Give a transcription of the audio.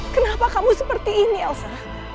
kenapa kamu seperti ini elsa